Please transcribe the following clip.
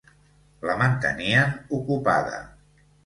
La mantenien ocupada.